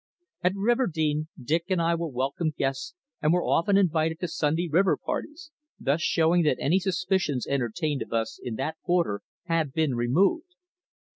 At Riverdene, Dick and I were welcome guests and were often invited to Sunday river parties, thus showing that any suspicions entertained of us in that quarter had been removed.